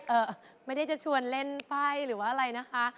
ไม่ได้จะชวนเล่นไฟหรือว่าอะไรนะคะ